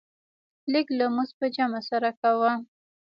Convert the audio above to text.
لږ لمونځ په جمع سره کوه.